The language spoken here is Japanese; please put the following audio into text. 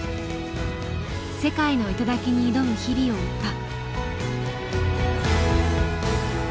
世界の頂に挑む日々を追った。